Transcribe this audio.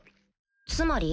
つまり？